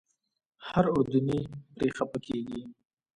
هر اردني پرې خپه کېږي.